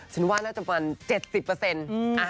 ฉันว่าน่าจะประมาณ๗๐เปอร์เซ็นต์